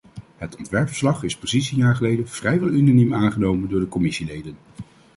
Het ontwerpverslag is precies een jaar geleden vrijwel unaniem aangenomen door de commissieleden.